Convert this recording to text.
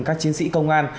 các chiến sĩ công an